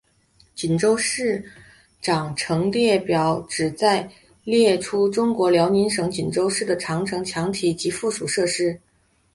锦州市长城列表旨在列出中国辽宁省锦州市的长城墙体及附属设施。